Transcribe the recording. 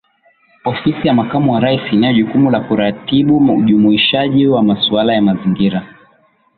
Ofisi ya Makamu wa Rais inayo jukumu la kuratibu ujumuishaji wa masuala ya mazingira